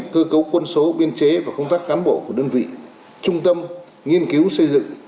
cơ cấu quân số biên chế và công tác cán bộ của đơn vị trung tâm nghiên cứu xây dựng